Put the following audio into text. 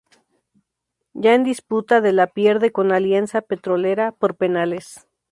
Ya en disputa de la pierde con Alianza Petrolera por penales.